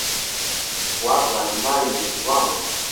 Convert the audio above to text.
وابزانم ناوی نێچیروان بوو.